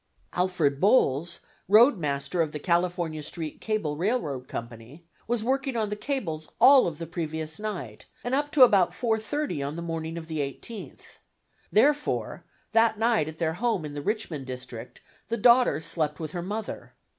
Alfred Boles, roadmaster of the California Street Cable R. R. Co., was working on the cables all of the previous night, and up to about 4:30 on the morning of the 18th. Therefore, that night at their home in the Richmond District, the daughter slept with her mother.